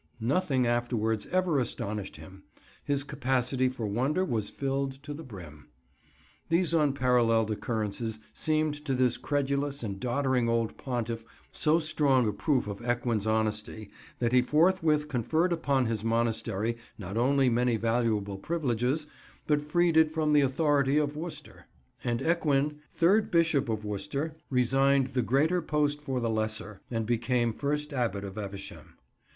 Nothing afterwards ever astonished him: his capacity for wonder was filled to the brim. These unparalleled occurrences seemed to this credulous and doddering old pontiff so strong a proof of Ecgwin's honesty that he forthwith conferred upon his monastery not only many valuable privileges, but freed it from the authority of Worcester. And Ecgwin, third Bishop of Worcester, resigned the greater post for the lesser, and became first Abbot of Evesham.